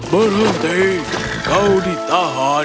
berhenti kau ditahan